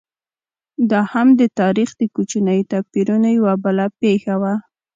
دا هم د تاریخ د کوچنیو توپیرونو یوه بله پېښه وه.